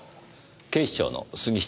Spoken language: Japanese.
警視庁の杉下です。